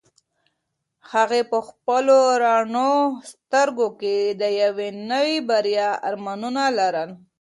هغې په خپلو رڼو سترګو کې د یوې نوې بریا ارمانونه لرل.